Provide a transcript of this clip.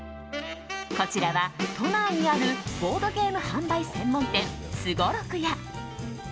こちらは都内にあるボードゲーム販売専門店すごろくや。